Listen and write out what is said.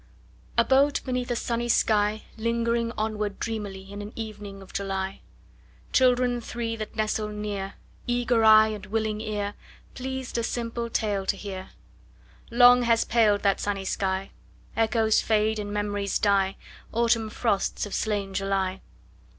A boat beneath a sunny sky, Lingering onward dreamily In an evening of July— Children three that nestle near, Eager eye and willing ear, Pleased a simple tale to hear— Long has paled that sunny sky: Echoes fade and memories die. Autumn frosts have slain July.